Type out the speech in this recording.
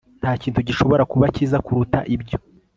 Nta kintu gishobora kuba cyiza kuruta ibyo